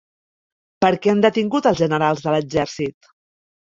Per què han detingut als generals de l'Exèrcit?